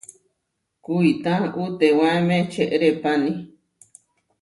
Kuitá utewáeme čeʼrépani.